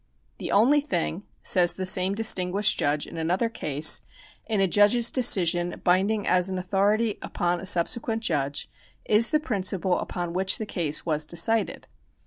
^" The only thing," says the same distinguished judge in another case, " in a judge's decision binding as an authority upon a subsequent judge is the principle upon which the case was decided."